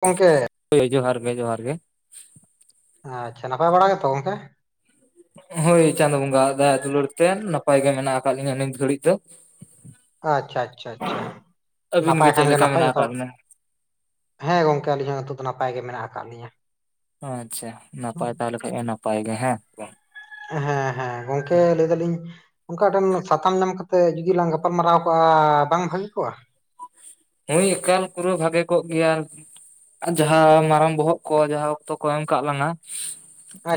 ᱜᱚᱜᱠᱮ ᱦᱳᱭ ᱡᱚᱦᱟᱨ ᱜᱮ ᱡᱚᱦᱟᱨ ᱜᱮ, ᱟᱪᱪᱷᱟ ᱱᱟᱯᱟᱭ ᱵᱟᱲᱟ ᱜᱮᱛᱚ ᱜᱚᱝᱠᱮ? ᱦᱳᱭ ᱪᱟᱸᱫ ᱵᱚᱸᱜᱟ ᱟᱜ ᱫᱟᱭᱟ ᱫᱩᱞᱟᱹᱲ ᱛᱮ ᱱᱟᱯᱟᱭ ᱜᱮ ᱢᱮᱱᱟᱜ ᱟᱠᱟᱫ ᱞᱤᱧᱟᱹ ᱱᱤᱛ ᱜᱷᱟᱹᱲᱤᱡ ᱫᱚ᱾ ᱟᱪᱪᱷᱟ ᱟᱪᱪᱷᱟ ᱟᱪᱪᱷᱟ ᱟᱹᱵᱤᱱ ᱱᱟᱯᱟᱭ ᱜᱮ ᱪᱮᱫ ᱠᱷᱟᱱᱜᱮ ᱞᱮᱠᱟ ᱱᱟᱯᱟᱭ ᱢᱮᱱᱟᱜ ᱡᱚᱛᱚ ᱟᱠᱟᱫ ᱦᱚᱲ, ᱵᱤᱱᱟ ᱦᱮᱸ ᱜᱚᱝᱠᱮ ᱟᱹᱞᱤᱧ ᱦᱚᱸ ᱱᱤᱛᱚᱜ ᱫᱚ ᱱᱟᱯᱟᱭ ᱜᱮ ᱢᱮᱱᱟᱜ ᱟᱠᱟᱫ ᱞᱤᱧᱟᱹ᱾ ᱟᱪᱪᱷᱟ ᱱᱟᱯᱟᱭ ᱛᱟᱦᱚᱞᱮ ᱞᱮᱠᱷᱟᱱ ᱱᱟᱯᱟᱭ ᱜᱮ ᱦᱮᱸ᱾ ᱦᱮᱸ ᱦᱮᱸ ᱜᱚᱝᱠᱮ ᱞᱟᱹᱭ ᱫᱟᱞᱤᱧ, ᱚᱱᱠᱟ ᱴᱷᱮᱱ ᱥᱟᱛᱟᱢ ᱧᱟᱢ ᱠᱟᱛᱮ ᱡᱩᱫᱤ ᱞᱟᱝ ᱜᱟᱯᱟᱞ ᱢᱟᱨᱟᱣ ᱠᱚᱜᱼᱟ ᱵᱟᱝ ᱵᱷᱟᱹᱜᱮ ᱠᱚᱜᱼᱟ, ᱦᱳᱭ ᱮᱠᱟᱞ ᱯᱩᱨᱟᱹ ᱵᱷᱟᱜᱮ ᱠᱚᱜ ᱜᱮᱭᱟ᱾ ᱡᱟᱦᱟᱸ ᱢᱟᱨᱟᱝ ᱵᱚᱦᱚᱜ ᱠᱚ ᱡᱟᱦᱟᱸ ᱚᱠᱛᱚ ᱠᱚ ᱮᱢ ᱠᱟᱜ ᱞᱟᱝᱟ᱾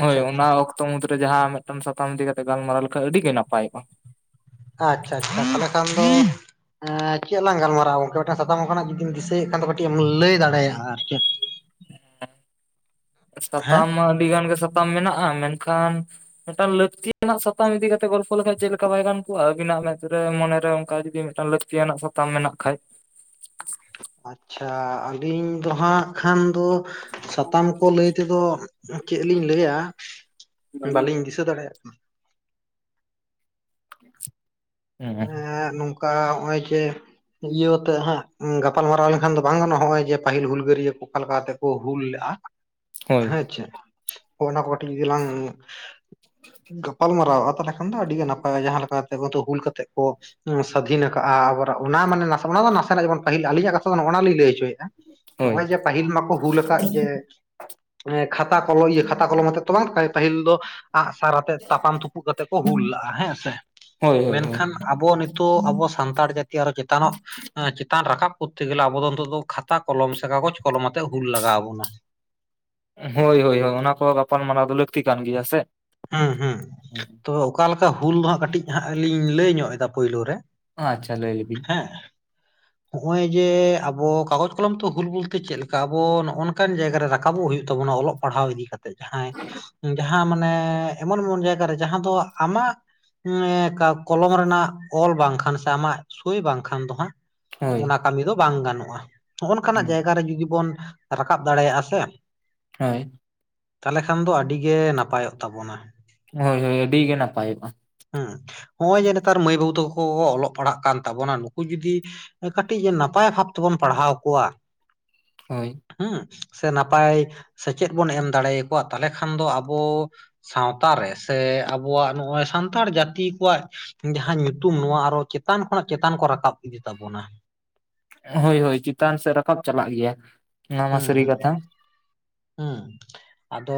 ᱦᱳᱭ ᱚᱱᱟ ᱟᱪᱪᱷᱟ ᱚᱠᱛᱚ ᱢᱩᱫᱽ ᱨᱮ ᱡᱟᱦᱟᱸ ᱢᱤᱫᱴᱟᱝ ᱥᱟᱛᱟᱢ ᱤᱫᱤ ᱠᱟᱛᱮ ᱜᱟᱞᱢᱟᱨᱟᱣ ᱞᱮᱠᱷᱟᱭ ᱟᱹᱰᱤ ᱜᱮ ᱱᱟᱯᱟᱭᱚᱜᱼᱟ᱾ ᱟᱪᱪᱷᱟ ᱟᱪᱪᱷᱟ ᱛᱟᱦᱚᱞᱮ ᱠᱷᱟᱱ ᱫᱚ ᱮ ᱪᱮᱫ ᱞᱟᱝ ᱜᱟᱞᱢᱟᱨᱟᱜᱼᱟ ᱜᱚᱝᱠᱮ ᱢᱤᱫᱴᱟᱝ ᱥᱟᱛᱟᱢ ᱚᱱᱠᱟᱱᱟᱜ ᱡᱩᱫᱤᱢ ᱫᱤᱥᱟᱹᱭᱮᱫ ᱠᱷᱟᱱ ᱫᱚ ᱠᱟᱹᱴᱤᱜ ᱮᱢ ᱞᱟᱹᱭ ᱫᱟᱲᱮᱭᱟᱜᱼᱟ ᱟᱨᱠᱤ, ᱥᱟᱛᱟᱢ ᱢᱟ ᱟᱹᱰᱤ ᱜᱟᱱ ᱜᱮ ᱥᱟᱛᱟᱢ ᱢᱮᱱᱟᱜᱼᱟ ᱢᱮᱱᱠᱷᱟᱱ, ᱢᱤᱫᱴᱟᱝ ᱞᱟᱹᱠᱛᱤ ᱨᱮᱱᱟᱜ ᱥᱟᱛᱟᱢ ᱤᱫᱤ ᱠᱟᱛᱮ ᱜᱚᱞᱯᱚ ᱞᱮᱠᱷᱟᱡ ᱪᱮᱫ ᱞᱮᱠᱟ ᱵᱟᱭ ᱜᱟᱱ ᱠᱚᱜᱼᱟ ᱟᱵᱤᱱᱟᱜ ᱢᱮᱫ ᱨᱮ ᱢᱚᱱᱮ ᱨᱮ ᱚᱱᱠᱟ ᱡᱩᱫᱤ ᱢᱤᱫᱴᱟᱝ ᱞᱟᱹᱠᱛᱤ ᱛᱤᱭᱟᱱᱟᱜ ᱥᱟᱛᱟᱢ ᱢᱮᱱᱟᱜ ᱠᱷᱟᱡ᱾ ᱟᱪᱪᱷᱟ ᱟᱹᱞᱤᱧ ᱫᱚ ᱦᱟᱸᱜ ᱠᱷᱟᱱ ᱫᱚ, ᱥᱟᱛᱟᱢ ᱠᱚ ᱞᱟᱹᱭ ᱛᱮᱫᱚ ᱪᱮᱫ ᱞᱤᱧ ᱞᱟᱹᱭᱟ ᱦᱩᱸ ᱦᱳᱭ ᱵᱟᱹᱞᱤᱧ ᱫᱤᱥᱟᱹ ᱫᱟᱲᱮᱼᱟᱜ‌ ᱠᱟᱱᱟ᱾ [inaudible] ᱦᱮᱸ ᱱᱚᱝᱠᱟ ᱦᱚᱜᱼᱚᱭ ᱡᱮᱼᱼ ᱤᱭᱟᱹᱛᱮ ᱦᱟᱸᱜ ᱜᱟᱯᱟᱞ ᱢᱟᱨᱟᱨᱟᱣ ᱞᱮᱱᱠᱷᱟᱱ ᱫᱚ ᱵᱟᱝ ᱜᱟᱱᱚᱜ ᱦᱚᱭ ᱡᱮ ᱯᱟᱹᱦᱤᱞ ᱦᱩᱞᱜᱟᱹᱨᱭᱟᱹ ᱠᱚ ᱚᱠᱟ ᱞᱮᱠᱟᱛᱮ ᱠᱚ ᱦᱩᱞ ᱞᱮᱼᱟ᱾ ᱦᱳᱭ ᱦᱮᱸ ᱪᱮᱫ ᱚᱱᱟ ᱠᱚ ᱠᱟᱴᱤᱡ ᱡᱩᱫᱤ ᱞᱟᱝᱼᱼ ᱜᱟᱯᱟᱞ ᱢᱟᱨᱟᱣᱼᱟ ᱛᱟᱦᱚᱞᱮ ᱠᱷᱟᱱ ᱫᱚ ᱟᱹᱰᱤᱜᱮ ᱱᱟᱯᱟᱭᱟ ᱡᱟᱦᱟᱸ ᱞᱮᱠᱟ ᱠᱟᱛᱮ ᱛᱚ ᱦᱩᱞ ᱠᱟᱛᱮ᱾ ᱥᱟᱹᱫᱷᱤᱱ ᱠᱟᱜᱼᱟ ᱟᱵᱚᱨ ᱚᱱᱟ ᱢᱟᱱᱮ ᱱᱚᱣᱟ ᱚᱱᱟ ᱢᱟ ᱱᱟᱥᱮᱱᱟ ᱜᱮᱵᱚ ᱯᱟᱹᱦᱤᱞ ᱟᱹᱞᱤᱧᱟᱜ ᱠᱟᱛᱷᱟ ᱚᱱᱟ ᱞᱤᱧ ᱞᱟᱹᱭ ᱦᱚᱪᱚᱭᱮᱫᱼᱟ᱾ ᱦᱳᱭ ᱱᱚᱜᱼᱚᱭ ᱡᱮ ᱯᱟᱹᱦᱤᱞ ᱢᱟᱠᱚ ᱦᱩᱞ ᱟᱠᱟᱫ ᱡᱮ᱾ ᱮ ᱠᱷᱟᱛᱟ ᱠᱚᱞᱚᱢ ᱤᱭᱟᱹ ᱠᱷᱟᱛᱟ ᱠᱚᱞᱚᱢ ᱟᱛᱮᱜ ᱫᱚ ᱵᱟᱝ ᱯᱟᱹᱦᱤᱞ ᱫᱚᱼᱼ ᱟᱜ ᱥᱟᱨ ᱟᱛᱮᱜ ᱛᱟᱯᱟᱢ ᱛᱩᱯᱩᱜ ᱠᱟᱛᱮᱜ ᱠᱚ ᱦᱩᱞ ᱞᱟᱜᱼᱟ ᱦᱮᱸ ᱥᱮ᱾ ᱦᱳᱭ ᱦᱳᱭ ᱦᱳᱭ᱾ ᱢᱮᱱᱠᱷᱟᱱ ᱟᱵᱚ ᱱᱤᱛᱚᱜ ᱟᱵᱚ ᱥᱟᱱᱛᱟᱲ ᱡᱟᱛᱤ ᱟᱨᱚ ᱪᱮᱛᱟᱱᱚᱜᱼᱼ ᱪᱮᱛᱟᱱ ᱨᱟᱠᱟᱵ ᱠᱚᱨᱛᱮ ᱜᱮᱞᱮ ᱟᱵᱚ ᱫᱚ ᱱᱤᱛᱚᱜ ᱫᱚ ᱠᱷᱟᱛᱟ ᱠᱚᱞᱚᱢ ᱥᱮ ᱠᱟᱜᱚᱡᱽ ᱠᱚᱞᱚᱢ ᱟᱛᱮᱜ ᱦᱩᱞ ᱞᱟᱜᱟᱣ ᱟᱵᱚᱱᱟᱼᱼ ᱦᱳᱭ ᱦᱳᱭ ᱦᱳᱭ ᱚᱱᱟ ᱠᱚ ᱜᱟᱯᱟᱞᱢᱟᱨᱟᱣ ᱫᱚ ᱞᱟᱹᱠᱛᱤ ᱠᱟᱱ ᱜᱮᱭᱟ ᱥᱮ᱾ ᱦᱩᱸ ᱦᱩᱸ ᱛᱚ ᱚᱠᱟᱞᱮᱠᱟ ᱦᱩᱞ ᱫᱚ ᱦᱟᱸᱜ ᱠᱟᱹᱴᱤᱡ ᱦᱟᱸᱜ ᱞᱤᱧ ᱞᱟᱹᱭ ᱧᱚᱜ ᱮᱫᱟ ᱯᱳᱭᱞᱳ ᱨᱮᱼᱼ ᱟᱪᱪᱷᱟ ᱞᱟᱹᱭ ᱞᱮᱹᱭᱞᱮᱵᱤᱱ ᱦᱮᱸ ᱱᱚᱜᱼᱚᱭ ᱡᱮ ᱟᱵᱚ ᱠᱟᱜᱚᱡᱽ ᱠᱚᱞᱚᱢ ᱛᱚ ᱦᱩᱞ ᱵᱩᱞᱛᱮ ᱪᱮᱫᱠᱟ ᱟᱵᱚ ᱱᱚᱜ ᱱᱚᱝᱠᱟᱱ ᱡᱟᱭᱜᱟ ᱨᱟᱠᱟᱵᱼᱼ ᱨᱟᱠᱟᱵᱚᱜ ᱦᱩᱭᱩᱜ ᱛᱟᱵᱚᱱᱟ ᱚᱞᱚᱜ ᱯᱟᱲᱦᱟᱣ ᱤᱫᱤ ᱠᱟᱛᱮᱜ ᱡᱟᱦᱟᱸᱭ ᱡᱟᱦᱟᱸ ᱢᱟᱱᱮᱼᱼ ᱮᱢᱚᱱ ᱮᱢᱚᱱ ᱡᱟᱭᱜᱟᱨᱮ ᱡᱟᱦᱟᱸ ᱫᱚ ᱟᱢᱟᱜ, ᱠᱟ ᱠᱚᱞᱚᱢ ᱨᱮᱱᱟᱜ ᱚᱞ ᱵᱟᱝᱠᱷᱟᱱ ᱥᱮ ᱟᱢᱟᱜ ᱥᱳᱭ ᱵᱟᱝᱠᱷᱟᱱ ᱫᱚ ᱦᱟᱸᱜᱼᱼ ᱦᱳᱭ ᱚᱱᱟ ᱠᱟᱹᱢᱤ ᱫᱚ ᱵᱟᱝ ᱜᱟᱱᱚᱜᱼᱟ ᱱᱚᱜᱼᱱᱚᱝᱠᱟᱱᱟᱜ ᱡᱟᱭᱜᱟ ᱨᱮ ᱡᱩᱫᱤ ᱵᱚᱱ ᱨᱟᱠᱟᱵ ᱫᱟᱲᱮᱭᱟᱜᱼᱟ ᱥᱮ, ᱦᱳᱭ᱾ ᱛᱟᱦᱮᱞᱮ ᱠᱷᱟᱱ ᱫᱚ ᱟᱹᱰᱤᱜᱮ ᱱᱟᱯᱟᱭᱼᱚᱜ ᱛᱟᱵᱚᱱᱟ᱾ ᱦᱳᱭ ᱦᱳᱭ ᱟᱹᱰᱤ ᱜᱮ ᱱᱟᱯᱟᱭᱚᱜᱼᱟ᱾ ᱦᱩᱸ ᱦᱚᱸᱜᱼᱚᱭ ᱡᱮ ᱱᱮᱛᱟᱨ ᱢᱟᱹᱭ ᱵᱟᱹᱵᱩ ᱛᱟᱠᱚ ᱠᱚ ᱚᱞᱚᱜ ᱯᱟᱲᱦᱟᱜ ᱠᱟᱱ ᱛᱟᱵᱚᱱᱟ ᱱᱩᱠᱩ ᱡᱩᱫᱤᱼᱼ ᱠᱟᱹᱴᱤᱡ ᱱᱟᱯᱟᱭ ᱵᱷᱟᱵ ᱛᱮᱵᱚᱱ ᱯᱟᱲᱦᱟᱣ ᱠᱚᱣᱟ, ᱦᱳᱭ᱾ ᱦᱩᱸ ᱥᱮ ᱱᱟᱯᱟᱭ ᱥᱮᱪᱮᱫ ᱵᱚᱱ ᱮᱢ ᱫᱟᱲᱮ ᱟᱠᱚᱣᱟ ᱛᱟᱦᱮᱞᱮ ᱠᱷᱟᱱ ᱫᱚ ᱟᱵᱚᱼᱼ ᱥᱟᱶᱛᱟ ᱨᱮ ᱥᱮ ᱟᱵᱚᱣᱟᱜ ᱱᱚᱜᱼᱚᱭ ᱥᱟᱱ ᱛᱟᱲ ᱡᱟᱛᱤ ᱠᱚᱣᱟᱜ ᱡᱟᱦᱟᱸ ᱧᱩᱛᱩᱢ ᱱᱚᱣᱟ ᱟᱨᱚ ᱪᱮᱛᱟᱱ ᱠᱷᱚᱱᱟᱜ ᱪᱮᱛᱟᱱ ᱠᱚ ᱨᱟᱠᱟᱵ ᱤᱫᱤ ᱛᱟᱵᱚᱱᱟ᱾ ᱦᱳᱭ ᱦᱳᱭ ᱪᱮᱛᱟᱱ ᱥᱮᱫ ᱨᱟᱠᱟᱵ ᱪᱟᱞᱟᱜ ᱜᱮᱭᱟ ᱚᱱᱟ ᱢᱟ ᱦᱩᱸ ᱥᱟᱹᱨᱤ ᱦᱩᱸ ᱠᱟᱛᱷᱟ᱾ ᱦᱩᱸ ᱟᱫᱚ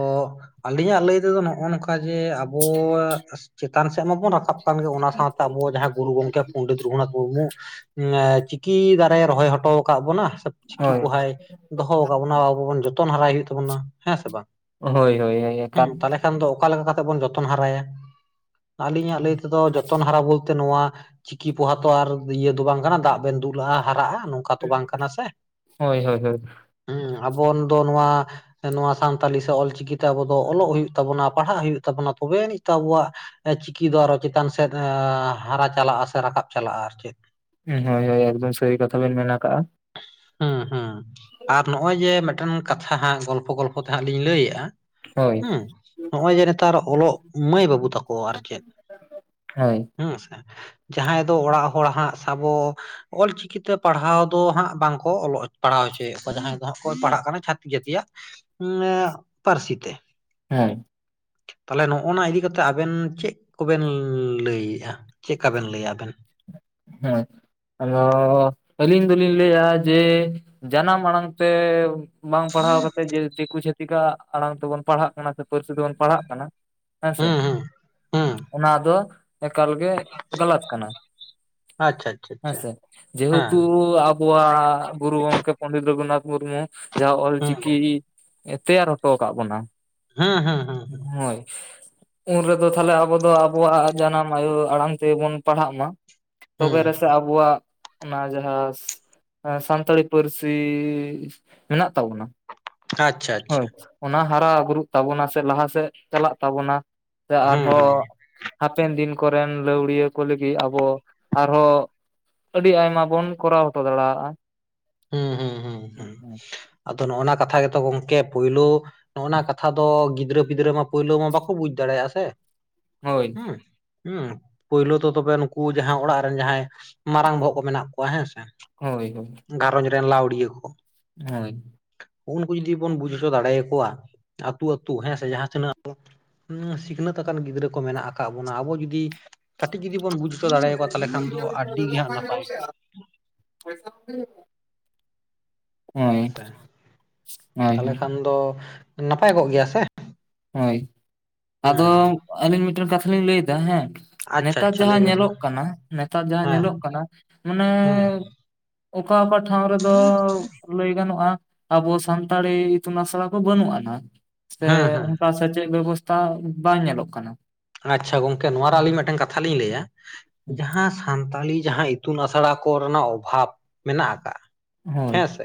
ᱟᱹᱞᱤᱧᱼᱟᱜ ᱞᱟᱹᱭ ᱛᱮᱫᱚ ᱱᱚᱜᱼᱚ ᱱᱚᱝᱠᱟ ᱡᱮ ᱟᱵᱚᱣᱟᱜ ᱼᱼ ᱪᱮᱛᱟᱱ ᱥᱮᱫ ᱢᱟᱵᱚᱱ ᱨᱟᱠᱟᱵ ᱠᱟᱱ ᱜᱮ ᱚᱱᱟ ᱥᱟᱶᱛᱮ ᱟᱵᱚᱣᱟᱜ ᱡᱟᱦᱟᱸᱭ ᱜᱩᱨᱩ ᱜᱚᱝᱠᱮᱼᱼ ᱯᱚᱱᱰᱤᱛ ᱨᱚᱜᱷᱩᱱᱟᱛᱷ ᱢᱩᱨᱢᱩ ᱪᱤᱠᱤ ᱫᱟᱨᱮ ᱨᱚᱦᱚᱭ ᱦᱚᱴᱚ ᱟᱠᱟᱫ ᱵᱚᱱᱟ, ᱪᱤᱠᱤ ᱦᱳᱭ ᱯᱚᱦᱟᱭ ᱫᱚᱦᱚ ᱟᱠᱟᱫ ᱵᱚᱱᱟ ᱟᱵᱚ ᱵᱚᱱ ᱡᱚᱛᱚᱱ ᱦᱟᱨᱟᱭ ᱦᱩᱭᱩᱜ ᱛᱟᱵᱚᱱᱟ ᱦᱮᱸ ᱥᱮ ᱵᱟᱝ ᱦᱳᱭ ᱦᱳᱭ ᱦᱳᱭ ᱦᱮᱸ ᱮᱠᱟᱞ᱾ ᱛᱟᱦᱚᱞᱮ ᱠᱷᱟᱱ ᱫᱚ ᱚᱠᱟ ᱞᱮᱠᱟ ᱠᱟᱛᱮ ᱵᱚᱱ ᱡᱚᱛᱚᱱ ᱦᱟᱨᱟᱭᱟ᱾ ᱟᱹᱞᱤᱧᱟᱜ ᱞᱟᱹᱭ ᱛᱮᱫᱚ ᱡᱚᱛᱚᱱ ᱦᱟᱨᱟ ᱵᱚᱞᱛᱮ ᱱᱚᱣᱟᱼᱼ ᱪᱤᱠᱤ ᱯᱚᱦᱟ ᱛᱚ ᱟᱨ ᱤᱭᱟᱹ ᱫᱚ ᱵᱟᱝ ᱠᱟᱱᱟ ᱫᱟᱜ ᱵᱮᱱ ᱫᱩᱞᱟᱜᱼᱟ ᱦᱟᱨᱟᱜᱼᱟ᱾ ᱚᱱᱠᱟ ᱛᱚ ᱵᱟᱝ ᱠᱟᱱᱟ ᱥᱮ ᱦᱳᱭ ᱦᱳᱭ ᱦᱳᱭ ᱦᱩᱸ ᱟᱵᱚᱱ ᱫᱚ ᱱᱚᱣᱟᱼᱼ ᱱᱚᱣᱟ ᱥᱟᱱᱛᱟᱞᱤ ᱥᱮ ᱚᱞᱪᱤᱠᱤ ᱛᱮ ᱟᱵᱚ ᱫᱚ ᱚᱞᱚᱜ ᱦᱩᱭᱩᱜ ᱛᱟᱵᱚᱱᱟ ᱯᱟᱲᱦᱟᱜ ᱦᱩᱭᱩᱜ ᱛᱟᱵᱚᱱᱟ ᱛᱚᱵᱮ ᱟᱱᱤᱡ ᱛᱚ ᱟᱵᱚᱣᱟᱜᱼᱼ ᱪᱤᱠᱤ ᱫᱚ ᱟᱨᱚ ᱪᱮᱛᱟᱱ ᱥᱮᱫ ᱦᱟᱨᱟ ᱪᱟᱞᱟᱜᱼᱟ ᱥᱮ ᱨᱟᱠᱟᱵ ᱪᱟᱞᱟᱜᱼᱟ ᱟᱨ ᱪᱮᱫ, ᱦᱩᱸ ᱦᱳᱭ ᱦᱳᱭ ᱮᱠᱫᱚᱢ ᱥᱟᱹᱨᱤ ᱠᱟᱛᱷᱟ ᱵᱮᱱ ᱢᱮᱱ ᱟᱠᱟᱜᱼᱟ᱾ ᱦᱩᱸ ᱦᱩᱸ ᱟᱨ ᱱᱚᱜᱼᱚᱭ ᱡᱮ ᱢᱤᱫᱴᱟᱝ ᱠᱟᱛᱷᱟ ᱦᱟᱸᱜ ᱜᱚᱞᱼᱼ ᱜᱚᱞᱯᱷᱚ ᱛᱮ ᱦᱟᱸᱜ ᱞᱤᱧ ᱞᱟᱹᱭᱮᱫᱼᱟ ᱦᱳᱭ ᱦᱩᱸ ᱱᱚᱜ ᱚᱭ ᱡᱮ ᱱᱮᱛᱟᱨ ᱚᱞᱚᱜ ᱢᱟᱹᱭ ᱵᱟᱹᱵᱩ ᱛᱟᱠᱚ, ᱠᱚ ᱟᱨ ᱪᱮᱫ ᱦᱳᱭ ᱦᱩᱸ ᱥᱮ ᱡᱟᱦᱟᱸᱭ ᱫᱚ ᱚᱲᱟᱜ ᱦᱚᱲ ᱦᱟᱸᱜ ᱥᱟᱵᱚ, ᱚᱞ ᱪᱤᱠᱤ ᱛᱮ ᱯᱟᱲᱦᱟᱣ ᱫᱚ ᱦᱟᱸᱜ ᱵᱟᱝ ᱠᱚ ᱚᱞᱚᱜ ᱯᱟᱲᱦᱟᱣ ᱦᱚᱪᱚᱭᱮᱫ ᱠᱚᱣᱟ ᱡᱟᱦᱟᱸᱭ ᱡᱟᱦᱟ ᱠᱳ ᱯᱟᱲᱦᱟᱜ ᱠᱟᱱᱟ ᱪᱷᱟᱹᱛᱤᱜ ᱡᱟ. ᱛᱤ ᱟᱜ ᱯᱟᱹᱨᱥᱤ ᱛᱮ ᱦᱳᱭ ᱛᱟᱦᱚᱞᱮ ᱱᱚᱜᱼᱚ ᱱᱟ ᱤᱫᱤ ᱠᱟᱛᱮ ᱟᱵᱮᱱ ᱪᱮᱫ ᱪᱮᱫ ᱠᱚᱵᱮᱱ ᱞᱟᱹᱭ ᱮᱜᱼᱟ, ᱪᱮᱫᱠᱟ ᱵᱮᱱ ᱞᱟᱹᱭᱟ ᱟᱵᱮᱱ ᱦᱮᱸ ᱾ ᱟᱫᱚ ᱟᱹᱞᱤᱧ ᱫᱚᱞᱤᱧ ᱞᱟᱹᱭᱼᱟ ᱡᱮ ᱡᱟᱱᱟᱢ ᱟᱲᱟᱝ ᱛᱮ ᱵᱟᱝ ᱯᱟᱲᱦᱟᱣ ᱠᱟᱛᱮᱫ, ᱫᱤᱠᱩ ᱪᱷᱟᱹᱛᱤᱜ ᱟᱜ ᱟᱲᱟᱝ ᱛᱮᱵᱚᱱ ᱯᱟᱲᱦᱟᱜ ᱠᱟᱱᱟ ᱥᱮ ᱯᱟᱹᱨᱥᱤ ᱛᱮᱵᱚᱱ ᱯᱟᱲᱦᱟᱜ ᱠᱟᱱᱟ ᱾ ᱦᱮᱸ ᱥᱮ ᱦᱩᱸ ᱦᱩᱸ ᱦᱩᱸ ᱚᱱᱟ ᱫᱚ ᱮᱠᱟᱞ ᱜᱮ ᱜᱟᱞᱟᱛ ᱠᱟᱱᱟ ᱾ ᱟᱪᱪᱷᱟ ᱾ ᱦᱮᱸ ᱥᱮ, ᱡᱮᱦᱮᱛᱩ ᱟᱵᱚᱣᱟᱜ ᱜᱩᱨᱩ ᱜᱚᱢᱠᱮ ᱯᱚᱱᱰᱤᱛ ᱨᱚᱜᱷᱩᱱᱟᱛᱷ ᱢᱩᱨᱢᱩ ᱡᱟᱦᱟᱸ ᱦᱮᱸ ᱚᱞᱪᱤᱠᱤ ᱛᱮᱭᱟᱨ ᱦᱚᱴᱚ ᱟᱠᱟᱫ ᱵᱚᱱᱟ ᱦᱩᱸ ᱦᱩᱸ ᱦᱩᱸ ᱦᱩᱸ ᱾ ᱦᱳᱭ ᱾ ᱩᱱ ᱨᱮᱫᱚ ᱛᱟᱦᱚᱞᱮ ᱟᱵᱚ ᱫᱚ ᱟᱵᱚᱣᱟᱜ ᱡᱟᱱᱟᱢ ᱟᱭᱩ ᱟᱲᱟᱝ ᱛᱮᱵᱚᱱ ᱯᱟᱲᱦᱟᱜ ᱢᱟ ᱾ ᱦᱩᱸ ᱛᱚᱵᱮ ᱨᱮ ᱥᱮ ᱟᱵᱩᱣᱟᱜ ᱚᱱᱟ ᱡᱟᱦᱟᱸ ᱥᱟᱱᱛᱟᱲᱤ ᱯᱟᱹᱨᱥᱤ ᱢᱮᱱᱟᱜ ᱛᱟᱵᱚᱱᱟ ᱟᱪᱪᱷᱟ ᱾ ᱟᱪᱪᱷᱟ ᱦᱳᱭ ᱚᱱᱟ ᱦᱟᱨᱟ ᱵᱩᱨᱩᱜ ᱛᱟᱵᱚᱱᱟ ᱥᱮ ᱞᱟᱦᱟ ᱥᱮᱫ ᱪᱟᱞᱟᱜ ᱛᱟᱵᱚᱱᱟ ᱾ ᱥᱮ ᱦᱩᱸ ᱟᱨᱦᱚᱸ ᱦᱩᱸ ᱦᱟᱯᱮᱱ ᱫᱤᱱ ᱠᱚᱨᱮᱱ ᱞᱟᱹᱣᱲᱤᱭᱟᱹ ᱠᱚ ᱞᱟᱹᱜᱤᱫ ᱟᱵᱚ ᱟᱨᱦᱚᱸ ᱟᱹᱰᱤ ᱟᱭᱢᱟ ᱵᱚᱱ ᱠᱚᱨᱟᱣ ᱦᱚᱴᱚ ᱫᱟᱲᱮᱭᱟᱜᱼᱟ ᱾ ᱦᱩᱸ ᱦᱩᱸ ᱦᱩᱸ ᱦᱩᱸ [inaudible] ᱟᱫᱚ ᱱᱚᱜ ᱱᱟ ᱱᱚᱶᱟ ᱠᱟᱛᱷᱟ ᱜᱮᱛᱚ ᱜᱚᱝᱠᱮ, ᱯᱩᱭᱞᱳ ᱱᱚᱜ ᱱᱟ ᱱᱚᱶᱟ ᱠᱟᱛᱷᱟ ᱫᱚ ᱜᱤᱫᱽᱨᱟᱹ ᱜᱤᱫᱽᱨᱟᱹ ᱢᱟ ᱯᱳᱭᱞᱳ ᱢᱟ ᱵᱟᱠᱚ ᱵᱩᱡᱽ ᱫᱟᱲᱮᱭᱟᱜᱼᱟ ᱥᱮ ᱦᱳᱭ ᱦᱮᱸ ᱾ ᱦᱮᱸ ᱯᱳᱭᱞᱳ ᱛᱚᱵᱮ ᱱᱩᱠᱩ ᱡᱟᱦᱟᱸ ᱚᱲᱟᱜ ᱨᱮᱱ ᱡᱟᱦᱟᱸᱭ ᱢᱟᱨᱟᱝ ᱵᱚᱦᱚᱜ ᱠᱚ ᱢᱮᱱᱟᱜ ᱠᱚᱣᱟ ᱦᱮᱸ ᱥᱮ ᱾ ᱦᱳᱭ ᱦᱳᱭ ᱾ ᱜᱷᱟᱨᱚᱧᱡᱽ ᱨᱮᱱ ᱞᱟᱹᱣᱲᱤᱭᱟᱹ ᱠᱚ ᱾ ᱦᱳᱭ ᱾ ᱩᱱᱠᱩ ᱡᱩᱫᱤ ᱵᱚᱱ ᱵᱩᱡᱷᱟᱹᱣ ᱫᱟᱲᱮᱭ ᱟᱠᱚᱣᱟ ᱟᱹᱛᱩ, ᱟᱹᱛᱩ ᱦᱮᱸ ᱥᱮ ᱡᱟᱦᱟᱸ ᱛᱤᱱᱟᱹᱜ ᱟᱵᱚ ᱥᱤᱠᱷᱱᱟᱹᱛ ᱟᱠᱟᱱ ᱜᱤᱫᱽᱨᱟᱹ ᱠᱚ ᱢᱮᱱᱟᱜ ᱟᱠᱟᱫ ᱵᱚᱱᱟ, ᱟᱵᱚ ᱡᱩᱫᱤ ᱠᱟᱹᱴᱤᱡ ᱡᱩᱫᱤ ᱵᱚᱱ ᱵᱩᱡ ᱛᱚ ᱫᱮᱲᱮ ᱟᱠᱚᱣᱟ ᱛᱟᱦᱚᱞᱮ ᱠᱷᱟᱱ ᱫᱚ ᱟᱹᱰᱤ ᱜᱮ ᱦᱟᱸᱜ ᱱᱟᱯᱟᱭ ᱯᱳᱭᱥᱟᱢ ᱤᱫᱤ ᱠᱟᱜ-ᱟ? ᱦᱮᱸ ᱥᱮ ᱦᱳᱭ ᱛᱟᱦᱚᱞᱮ ᱠᱷᱟᱱ ᱫᱚ ᱱᱟᱯᱟᱭ ᱠᱚᱜ ᱜᱮᱭᱟ ᱥᱮ ᱾ ᱦᱳᱭ ᱟᱫᱚ ᱟᱹᱞᱤᱧ ᱢᱤᱫᱴᱮᱱ ᱠᱟᱛᱷᱟ ᱞᱤᱧ ᱞᱟᱹᱭ ᱫᱟ ᱦᱮᱸ ᱟᱪᱪᱷᱟ ᱱᱮᱛᱟᱨ ᱟᱪᱪᱷᱟ ᱞᱟᱹᱭ ᱡᱟᱦᱟᱸ ᱵᱮᱱ ᱢᱟ ᱧᱮᱞᱚᱜ ᱠᱟᱱᱟ, ᱱᱮᱛᱟᱨ ᱡᱟᱦᱟᱸ ᱦᱮᱸ ᱧᱮᱞᱚᱜ ᱠᱟᱱᱟ ᱢᱟᱱᱮ ᱦᱮᱸ ᱚᱠᱟ ᱚᱠᱟ ᱴᱷᱟᱶ ᱨᱮᱫᱚ ᱞᱟᱹᱭ ᱜᱟᱱᱚᱜᱼᱟ, ᱟᱵᱚ ᱥᱟᱱᱛᱟᱲᱤ ᱤᱛᱩᱱ ᱟᱥᱲᱟ ᱠᱚ ᱵᱟᱹᱱᱩᱜ ᱟᱱᱟ ᱥᱮ ᱦᱮᱸ ᱦᱮᱸ ᱥᱮᱪᱮᱫ ᱵᱮᱵᱚᱥᱛᱷᱟ ᱵᱟᱝ ᱧᱮᱞᱚᱜ ᱠᱟᱱᱟ ᱾ ᱟᱪᱪᱷᱟ ᱜᱚᱝᱠᱮ ᱱᱚᱣᱟ ᱨᱮ ᱟᱹᱞᱤᱧ ᱢᱤᱫᱴᱮᱱ ᱠᱟᱛᱷᱟ ᱞᱤᱧ ᱞᱟᱹᱭᱟ ᱡᱟᱦᱟᱸ ᱥᱟᱱᱛᱟᱞᱤ ᱡᱟᱦᱟᱸ ᱤᱛᱩᱱ ᱟᱥᱲᱟ ᱠᱚ ᱨᱮᱱᱟᱜ ᱚᱵᱷᱟᱵᱽ ᱢᱮᱱᱟᱜ ᱟᱠᱟᱫᱼᱟ ᱦᱳᱭ ᱦᱮᱸ ᱥᱮ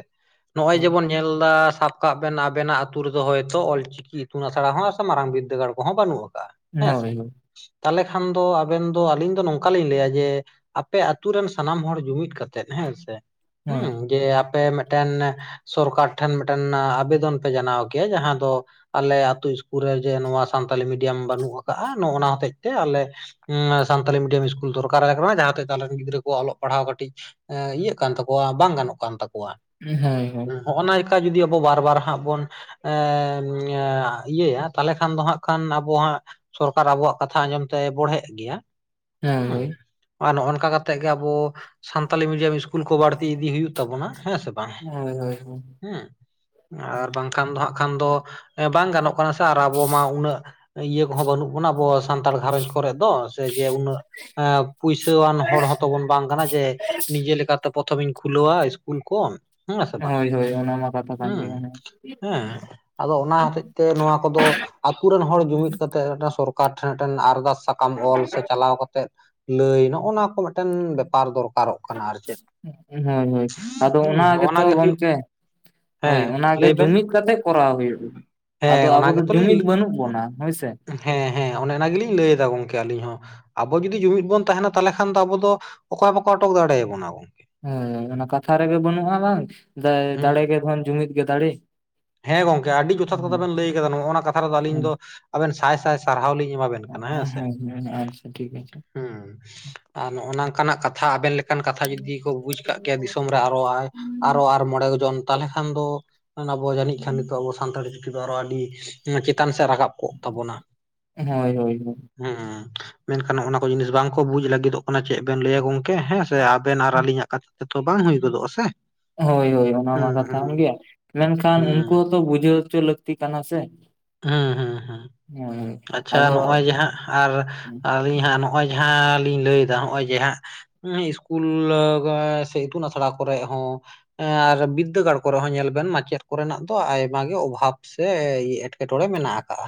ᱱᱚᱜᱼᱚᱭ ᱦᱳᱭ ᱡᱮᱢᱚᱱ ᱧᱮᱞ ᱫᱟ ᱥᱟᱵ ᱠᱟᱜ ᱵᱮᱱ ᱟᱵᱮᱱᱟᱜ ᱟᱹᱛᱩ ᱨᱮᱫᱚ ᱦᱚᱭᱛᱚ ᱚᱞ ᱪᱤ ᱠᱤ ᱤᱛᱩᱱ ᱟᱥᱲᱟ ᱦᱚᱸ ᱥᱮ ᱢᱟᱨᱟᱝ ᱵᱤᱫᱽᱫᱟᱹᱜᱟᱲ ᱠᱚᱦᱚᱸ ᱵᱟᱹᱱᱩᱜ ᱟᱠᱟᱜᱼᱟ, ᱦᱮᱸ ᱥᱮ ᱦᱳᱭ ᱾ ᱛᱟᱦᱚᱞᱮ ᱠᱷᱟᱱ ᱫᱚ ᱟᱵᱮᱱ ᱫᱚ ᱟᱹᱞᱤᱧ ᱫᱚ ᱱᱚᱝᱠᱟ ᱞᱤᱧ ᱞᱟᱹᱭᱟ ᱡᱮ ᱟᱯᱮ ᱟᱹᱛᱩ ᱨᱮᱱ ᱥᱟᱱᱟᱢ ᱦᱚᱲ ᱡᱩᱢᱤᱫ ᱠᱟᱛᱮᱜ ᱦᱮᱸ ᱥᱮ ᱦᱳᱭ ᱦᱩ ᱡᱮ ᱟᱯᱮ ᱢᱤᱫᱴᱮᱱ ᱥᱚᱨᱠᱟᱨ ᱴᱷᱮᱱ ᱢᱤᱫᱴᱮᱱ ᱟᱵᱮᱫᱚᱱ ᱯᱮ ᱡᱟᱱᱟᱣ ᱠᱮᱭᱟ ᱡᱟᱦᱟᱸ ᱫᱚ ᱟᱞᱮ ᱟᱹᱛᱩ ᱤᱥᱠᱩᱞ ᱨᱮ ᱡᱮ ᱱᱚᱣᱟ ᱥᱟᱱᱛᱟᱞᱤ ᱢᱤᱰᱤᱭᱟᱢ ᱵᱟᱹᱱᱩᱜ ᱟᱠᱟᱜᱼᱟ, ᱱᱚᱜ ᱚᱱᱟ ᱦᱚᱛᱮᱡ ᱛᱮ ᱟᱞᱮ ᱥᱟᱱᱛᱟᱞᱤ ᱢᱤᱰᱤᱭᱟᱢ ᱤᱥᱠᱩᱞ ᱫᱚᱨᱠᱟᱨ ᱠᱟᱱᱟ, ᱡᱟᱦᱟ ᱛᱮ ᱟᱞᱮ ᱨᱮᱱ ᱜᱤᱫᱽᱨᱟᱹ ᱠᱚ ᱚᱞᱚᱜ ᱯᱟᱲᱦᱟᱜ ᱠᱟᱹᱴᱤᱡ ᱮᱸ ᱤᱭᱟᱹᱜ ᱠᱟᱱ ᱛᱟᱠᱚᱣᱟ ᱵᱟᱝ ᱜᱟᱱᱚᱜ ᱠᱟᱱ ᱛᱟᱠᱚᱣᱟ᱾ ᱦᱩᱸ ᱦᱳᱭ ᱦᱳᱭ᱾ ᱱᱚᱜᱼᱚᱭ ᱱᱟᱝᱠᱟ ᱡᱩᱫᱤ ᱟᱵᱚ ᱵᱟᱨ ᱵᱟᱨ ᱦᱟᱸᱜ ᱵᱚᱱ ᱮᱸ ᱤᱭᱟᱹᱭᱟ ᱛᱟᱦᱚᱞᱮ ᱠᱷᱟᱱ ᱫᱚ ᱦᱟᱸᱜ ᱠᱷᱟᱱ ᱟᱵᱚ ᱦᱟᱸᱜ ᱥᱚᱨᱠᱟᱨ ᱟᱵᱚᱣᱟᱜ ᱠᱟᱛᱷᱟ ᱟᱸᱡᱚᱢ ᱛᱮ ᱵᱚᱲᱦᱮᱜ ᱜᱮᱭᱟ ᱦᱳᱭ ᱦᱮᱸ᱾ ᱦᱳᱭ ᱟᱨ ᱱᱚᱜ-ᱱᱚᱝᱠᱟ ᱠᱟᱛᱮᱫ ᱜᱮ ᱟᱵᱚ ᱥᱟᱱᱛᱟᱞᱤ ᱢᱤᱰᱤᱭᱟᱢ ᱤᱥᱠᱩᱞ ᱠᱚ ᱵᱟᱹᱲᱛᱤ ᱤᱫᱤ ᱦᱩᱭᱩᱜ ᱛᱟᱵᱚᱱᱟ ᱦᱮᱸ ᱥᱮ ᱵᱟᱝ, ᱦᱳᱭ ᱦᱳᱭ ᱦᱮᱸ ᱟᱨ ᱵᱟᱝᱠᱷᱟᱱ ᱫᱚ ᱦᱟᱸᱜ ᱠᱷᱟᱱ ᱫᱚ ᱵᱟᱝ ᱜᱟᱱᱚᱜ ᱠᱟᱱᱟ ᱥᱮ ᱟᱨ ᱟᱵᱚ ᱢᱟ ᱩᱱᱟᱹᱜ ᱤᱭᱟᱹ ᱟᱵᱚᱦᱚ ᱵᱟᱹᱱᱩᱜ ᱵᱚᱱᱟ ᱟᱵᱚ ᱥᱟᱱᱛᱟᱲ ᱜᱷᱟᱨᱚᱡᱽ ᱠᱚᱨᱮ ᱫᱚ, ᱥᱮ ᱡᱮ ᱩᱱᱟᱹᱜ ᱮᱸ ᱯᱩᱭᱥᱟᱹᱣᱟᱱ ᱦᱚᱲ ᱦᱚᱸ ᱛᱚ ᱵᱚᱱ ᱵᱟᱝ ᱠᱟᱱᱟ ᱡᱮ ᱱᱤᱡᱮ ᱞᱮᱠᱟ ᱯᱨᱚᱛᱷᱚ ᱢᱤᱧ ᱠᱷᱩᱞᱟᱹᱣᱟ ᱤᱥᱠᱩᱞ ᱠᱚᱱ ᱦᱳᱭ ᱦᱳᱭ ᱚᱱᱟᱢᱟ ᱠᱟᱛᱷᱟ ᱠᱟᱱ ᱜᱮᱭᱟ ᱦᱮᱸ᱾ ᱦᱮᱸ ᱟᱫᱚ ᱚᱱᱟ ᱦᱚᱛᱮᱡ ᱛᱮ ᱱᱚᱣᱟ ᱠᱚᱫᱚ ᱟᱛᱩ ᱨᱮᱱ ᱦᱚᱲ ᱡᱩᱢᱤᱫ ᱠᱟᱛᱮ ᱢᱤᱫᱴᱟᱝ ᱥᱚᱨᱠᱟᱨ ᱴᱷᱮᱱ ᱢᱤᱫᱴᱮᱱ ᱟᱨᱫᱟᱥ ᱥᱟᱠᱟᱢ ᱚᱞ ᱥᱮ ᱪᱟᱞᱟᱣ ᱠᱚᱛᱮᱜ ᱞᱟᱹᱭ ᱱᱚᱜᱼᱚ ᱱᱚᱣᱟ ᱠᱚ ᱢᱤᱫᱴᱮᱱ ᱵᱮᱯᱟᱨ ᱫᱚᱨ ᱦᱳᱭ ᱦᱳᱭ, ᱟᱫᱚ ᱚᱱᱟ ᱦᱩᱸ ᱱᱚᱜᱼᱚ ᱱᱟ ᱜᱮᱛᱚ ᱜᱮ ᱦᱩᱭᱩᱜ ᱜᱚᱢᱠᱮ ᱦᱳᱭ ᱦᱮᱸ ᱚᱱᱟᱜᱮ ᱞᱟᱹᱭ ᱵᱮᱱ ᱡᱩᱢᱤᱫ ᱠᱟᱛᱮᱜ ᱠᱚᱨᱟᱣ ᱦᱩᱭᱩᱜᱼᱟ, ᱦᱮᱸ ᱟᱫᱚ ᱚᱱᱟ ᱟᱵᱚ ᱫᱚ ᱜᱮᱛᱚᱞᱤᱧ ᱡᱩᱢᱤᱫ ᱵᱟᱹᱱᱩᱜ ᱵᱚᱱᱟ ᱦᱳᱭ ᱥᱮ᱾ ᱦᱮᱸ ᱦᱮᱸ ᱚᱱᱮ ᱚᱱᱟ ᱜᱮᱞᱤᱧ ᱞᱟᱹᱭ ᱫᱟ ᱜᱚᱢᱠᱮ ᱟᱹᱞᱤᱧ ᱦᱚᱸ᱾ ᱟᱵᱚ ᱡᱩᱫᱤ ᱡᱩᱢᱤᱫ ᱵᱚᱱ ᱛᱟᱸᱦᱮᱱᱟ ᱛᱟᱦᱞᱮ ᱠᱷᱟᱱ ᱫᱚ ᱟᱵᱚ ᱫᱚ ᱚᱠᱚᱭ ᱵᱟᱠᱚ ᱟᱴᱚᱠ ᱫᱟᱲᱮᱭᱟᱵᱚᱱᱟ ᱟᱵᱚ᱾ ᱦᱮᱸ ᱚᱱᱟ ᱠᱟᱛᱷᱟ ᱨᱮᱜᱮ ᱵᱟᱹᱱᱩᱜᱼᱟ ᱵᱟᱝ ᱫᱟ ᱦᱩᱸ ᱫᱟᱲᱮᱜᱮ ᱫᱷᱚᱱ ᱡᱩᱢᱤᱫ ᱜᱮ ᱫᱟᱲᱮ᱾ ᱦᱮᱸ ᱜᱚᱢᱠᱮ ᱟᱹᱰᱤ ᱡᱚᱛᱷᱟᱛ ᱠᱟᱛᱷᱟ ᱵᱮᱱ ᱞᱟᱹᱭ ᱠᱟᱫᱟ ᱱᱚᱜ-ᱱᱟ ᱠᱟᱛᱷᱟ ᱨᱮᱫᱚ ᱟᱞᱤᱧ ᱦᱮᱸ ᱫᱚ ᱟᱵᱮᱱ ᱥᱟᱭ ᱥᱟᱭ ᱥᱟᱨᱦᱟᱣ ᱞᱤᱧ ᱮᱢᱟᱵᱮᱱ ᱠᱟᱱᱟ ᱦᱮᱸ ᱥᱮ, ᱦᱮᱸ ᱟᱪᱪᱷᱟ ᱴᱷᱤᱠ ᱟᱪᱷᱮ ᱦᱩᱸ ᱟᱨ ᱱᱚᱜᱼᱚ ᱱᱚᱝᱠᱟᱱᱟᱜ ᱠᱟᱛᱷᱟ ᱟᱵᱮᱱ ᱞᱮᱠᱟᱱ ᱠᱟᱛᱷᱟ ᱡᱩᱫᱤ ᱠᱚ ᱵᱩᱡᱽ ᱠᱟᱜ ᱠᱮᱭᱟ ᱫᱤᱥᱚᱢ ᱨᱮ ᱟᱨᱚ ᱟᱭ ᱟᱨᱚ ᱟᱨ ᱢᱚᱬᱮ ᱜᱚᱡᱚᱱ ᱛᱟᱦᱚᱞᱮ ᱠᱷᱟᱱ ᱫᱚ ᱟᱵᱚ ᱡᱟᱹᱱᱤᱡ ᱠᱷᱟᱱ ᱱᱤᱛᱚᱜ ᱟᱵᱚ ᱥᱟᱱᱛᱟᱲᱤ ᱪᱤᱠᱤ ᱫᱚ ᱟᱨᱚ ᱟᱹᱰᱤ ᱪᱮᱛᱟᱱ ᱥᱮᱫ ᱨᱟᱠᱟᱵ ᱠᱚᱜ ᱛᱟᱵᱚᱱᱟ᱾ ᱦᱳᱭ ᱦᱳᱭ ᱦᱮᱸ ᱢᱮᱱᱠᱷᱟᱱ ᱚᱱᱟ ᱠᱚ ᱡᱤᱱᱤᱥ ᱵᱟᱝᱠᱚ ᱵᱩᱡ ᱞᱟᱹᱜᱤᱫᱚᱜ ᱠᱟᱱᱟ ᱪᱮᱫ ᱵᱮᱱ ᱞᱟᱹᱭᱟ ᱜᱚᱝᱠᱮ ᱦᱮᱸ ᱥᱮ ᱟᱵᱮᱱ ᱟᱨ ᱟᱹᱞᱤᱧᱟᱜ ᱠᱟᱛᱷᱟ ᱛᱮᱛᱚ ᱵᱟᱝ ᱦᱩᱭ ᱜᱚᱫᱚᱜᱼᱟ ᱥᱮ᱾ ᱦᱳᱭ ᱦᱳᱭ ᱚᱱᱟ ᱢᱟ ᱦᱩᱸ ᱠᱟᱛᱷᱟ ᱦᱩᱸ ᱠᱟᱱ ᱜᱮᱭᱟ ᱢᱮᱱᱠᱷᱟᱱ ᱩᱱᱠᱩ ᱦᱩᱸ ᱛᱚ ᱵᱩᱡᱷᱟᱹᱣ ᱦᱚᱪᱚ ᱞᱟᱹᱠᱛᱤ ᱠᱟᱱᱟ ᱥᱮ᱾ ᱦᱮᱸ ᱦᱮᱸ ᱦᱮᱸ, ᱦᱳᱭ ᱟᱪᱪᱷᱟ ᱟᱫᱚ ᱱᱚᱜᱼᱚᱭ ᱦᱟᱸᱜ ᱟᱨ ᱟᱨ ᱟᱹᱞᱤᱧ ᱦᱟᱸᱜ ᱱᱚᱜᱼᱚᱭ ᱡᱟᱦᱟᱸ ᱞᱤᱧ ᱞᱟᱹᱭᱫᱟ ᱱᱚᱜᱼᱚᱭ ᱡᱟᱸᱦᱟ ᱤᱥᱠᱩᱞ ᱥᱮ ᱤᱛᱩᱱ ᱟᱥᱲᱟ ᱠᱚᱨᱮᱜ ᱦᱚᱸ ᱟᱨ ᱵᱤᱫᱽᱫᱟᱹᱜᱟᱲ ᱠᱚᱨᱮ ᱦᱚᱸ ᱧᱮᱞ ᱵᱮᱱ ᱢᱟᱪᱮᱫ ᱠᱚᱨᱮᱱᱟᱜ ᱫᱚ ᱟᱭᱢᱟ ᱜᱮ ᱚᱵᱷᱟᱵ ᱥᱮ ᱮᱢᱠ ᱠᱮ ᱴᱚᱬᱮ ᱢᱮᱱᱟᱜ ᱠᱟᱜᱼᱟ᱾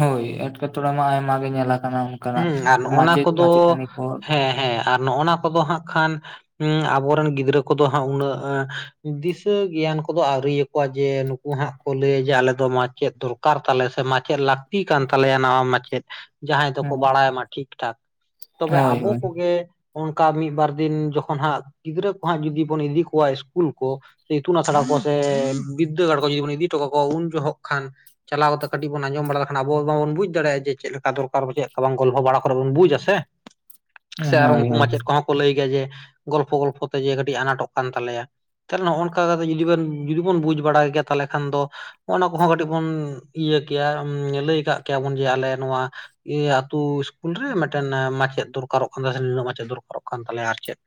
ᱦᱳᱭ ᱮᱴᱠᱮᱴᱚᱲᱮ ᱢᱟ ᱟᱭᱢᱟ ᱜᱮ ᱧᱮᱞ ᱠᱟᱱᱟ, ᱦᱩᱸ ᱟᱨ ᱱᱚᱜᱼᱱᱟ ᱠᱚᱫᱚ ᱦᱮᱸ ᱦᱮᱸ ᱟᱨ ᱱᱚᱜᱼᱚᱱᱟ ᱠᱚᱫᱚ ᱦᱟᱸᱜ ᱠᱷᱟᱱ ᱦᱩᱸ ᱟᱵᱚᱨᱮᱱ ᱜᱤᱫᱽᱨᱟᱹ ᱠᱚᱫᱚ ᱦᱟᱸᱜ ᱩᱱᱟᱹᱜ ᱫᱤᱥᱟᱹ ᱜᱮᱭᱟᱱ ᱠᱚᱫᱚ ᱟᱹᱣᱨᱤ ᱟᱠᱚᱣᱟ ᱡᱮ ᱱᱩ ᱠᱩ ᱦᱟᱸᱜ ᱠᱚ ᱞᱟᱹᱭᱟ ᱡᱮ ᱟᱞᱮ ᱫᱚ ᱢᱟᱪᱮᱫ ᱫᱚᱨᱠᱟᱨ ᱛᱟᱞᱮ ᱥᱮ ᱢᱟᱪᱮᱫ ᱞᱟᱠ ᱛᱤ ᱠᱟᱱ ᱛᱟᱞᱮᱭᱟ ᱱᱟᱣᱟ ᱢᱟᱪᱮᱫ, ᱡᱟᱦᱟᱸᱭ ᱠᱚ ᱵᱟᱲᱟᱭ ᱢᱟ ᱴᱷᱤᱠ ᱴᱷᱟᱠ ᱛᱚᱵᱮ ᱦᱳᱭ ᱟᱵᱚ ᱦᱳᱭ ᱠᱚᱜᱮ ᱚᱱᱠᱟ ᱢᱤᱫ ᱵᱟᱨ ᱫᱤᱱ ᱡᱚᱠᱷᱚᱱ ᱦᱟᱸᱜ ᱜᱤᱫᱽᱨᱟᱹ ᱠᱚ ᱦᱟᱸᱜ ᱡᱩᱫᱤ ᱵᱚᱱ ᱤᱫᱤ ᱠᱚᱣᱟ ᱤᱥᱠᱩᱞ ᱠᱚ ᱥᱮ ᱤᱛᱩᱱ ᱟᱥᱲᱟ ᱠᱚ ᱥᱮ ᱵᱤᱫᱽᱫᱟᱹᱜᱟᱲ ᱠᱚ ᱡᱩᱫᱤ ᱵᱚᱱ ᱤᱫᱤ ᱦᱚᱴᱚ ᱠᱟᱠᱚᱣᱟ ᱩᱱ ᱡᱚᱦᱚᱜ ᱠᱷᱟᱱ ᱪᱟᱞᱟᱣ ᱠᱟᱛᱮ ᱠᱟᱹᱴᱤᱡ ᱵᱚᱱ ᱟᱸᱡᱚᱢ ᱵᱟᱲᱟ ᱞᱮᱠᱷᱟᱱ ᱟᱵᱚ ᱵᱚᱱ ᱵᱩᱡᱽ ᱫᱟᱲᱮᱭᱟᱜᱼᱟ ᱪᱮᱫ ᱞᱮ ᱠᱟ ᱫᱚᱨᱠᱟᱨ ᱪᱮᱫᱠᱟ ᱵᱟᱝ ᱜᱚᱞᱯᱷᱚ ᱵᱟᱲᱟ ᱠᱚᱨᱮ ᱵᱚᱱ ᱵᱩᱡᱟ ᱥᱮ, ᱥᱮ ᱟᱨ ᱦᱳᱭ ᱩᱱᱠᱩ ᱦᱳᱭ ᱢᱟᱪᱮᱫ ᱠᱚᱦᱚᱸ ᱠᱚ ᱞᱟᱹᱭ ᱜᱮᱭᱟ ᱡᱮ ᱜᱚᱞᱯᱷᱚ ᱜᱚᱞᱯᱷᱚ ᱛᱮ ᱡᱮ ᱠᱟᱹᱴᱤᱡ ᱟᱱᱟᱴᱚᱜ ᱠᱟᱱ ᱛᱟᱞᱮᱭᱟ᱾ ᱛᱟᱦᱚᱞᱮ ᱱᱚᱜᱼᱚᱭ ᱱᱚᱝᱠᱟ ᱠᱟᱛᱮ ᱡᱩᱫᱤ ᱡᱩᱫᱤ ᱵᱚᱱ ᱵᱩᱡ ᱵᱟᱲᱟᱭ ᱜᱮᱭᱟ ᱛᱟᱦᱚᱞᱮ ᱠᱷᱟᱱ ᱫᱚ ᱚᱱᱟ ᱠᱚ ᱦᱚᱸ ᱠᱟᱹᱴᱤᱡ ᱵᱚᱱ ᱤᱭᱟᱹ ᱠᱮᱭᱟ ᱞᱟᱹᱭ ᱠᱟᱜ ᱠᱮᱭᱟ ᱵᱚᱱ ᱡᱮ ᱟᱞᱮ ᱱᱚᱣᱟ ᱤᱭᱟᱹ ᱟᱛᱩ ᱤᱥᱠᱩᱞ ᱨᱮ ᱢᱤᱫ ᱴᱮᱱ ᱢᱟᱪᱮᱫ ᱫᱚᱨᱠᱟᱨᱚᱜ ᱠᱟᱱᱟ ᱥᱮ ᱱᱤᱱᱟᱹᱜ ᱢᱟᱪᱮᱫ ᱫᱚᱨᱠᱟᱨᱚᱜ ᱠᱟᱱ ᱛᱟᱞᱮᱭᱟ ᱟᱨ ᱪᱮᱫ